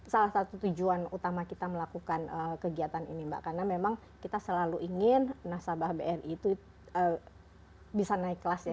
salah satu tujuan utama kita melakukan kegiatan ini mbak karena memang kita selalu ingin nasabah bri itu bisa naik kelas ya